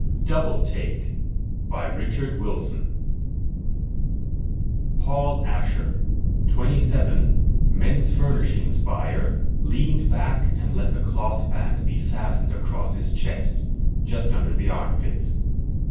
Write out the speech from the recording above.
_ DOUBLE TAKE By Richard Wilson Illustrated by Paul Orban _Paul Asher, 27, men's furnishings buyer, leaned back and let the cloth band be fastened across his chest, just under his armpits.